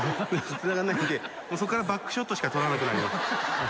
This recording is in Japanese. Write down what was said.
つながらないので、そこからバックショットしか撮らなくなります。